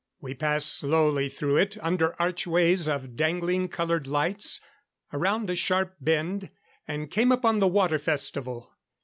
We passed slowly through it, under archways of dangling colored lights, around a sharp bend and came upon the Water Festival.